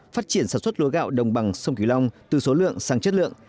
phát triển sản xuất lúa gạo đồng bằng sông kỳ long từ số lượng sang chất lượng